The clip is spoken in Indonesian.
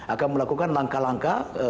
akan melakukan langkah langkah